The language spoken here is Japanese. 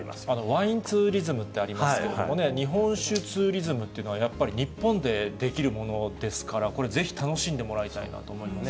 ワインツーリズムってありますけどもね、日本酒ツーリズムというのは、やっぱり日本でできるものですから、これ、ぜひ楽しんでもらいたいなと思いますね。